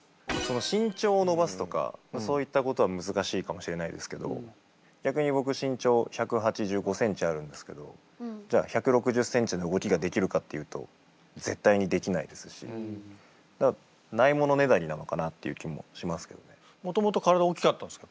身長を伸ばすとかそういったことは難しいかもしれないですけど逆に僕身長１８５ｃｍあるんですけどじゃあ１６０ｃｍの動きができるかっていうと絶対にできないですしだからもともと体大きかったんですか？